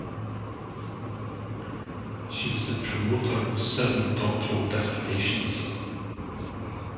She was the promoter of seven doctoral dissertations.